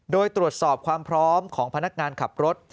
โดยตรวจสอบความพร้อมของพนักงานขับรถ